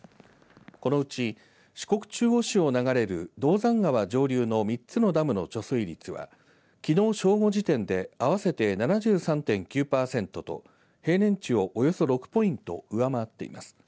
このうち四国中央市を流れる銅山川上流の３つのダムの貯水率はきのう正午時点で合わせて７３．９パーセントと平年値をおよそ６ポイント上回っています。